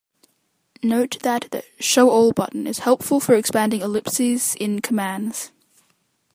Note that the "Show all" button is helpful for expanding ellipses in commands.